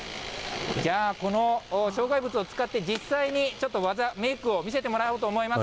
じゃあ、この障害物を使って、実際にちょっと技、メークを見せてもらおうと思います。